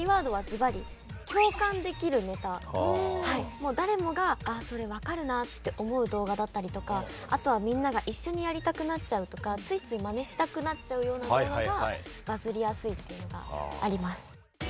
もう誰もがそれ分かるなって思う動画だったりとかあとはみんなが一緒にやりたくなっちゃうとかついついマネしたくなっちゃうような動画がバズりやすいっていうのがあります。